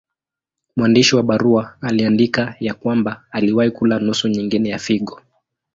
Mwandishi wa barua aliandika ya kwamba aliwahi kula nusu nyingine ya figo.